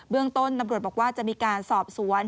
เรื่องต้นตำรวจบอกว่าจะมีการสอบสวน